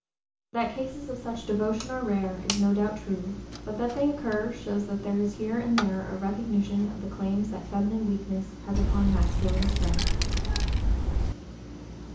That cases of such devotion are rare is no doubt true, but that they occur shows that there is here and there a recognition of the claims that feminine weakness has upon masculine strength.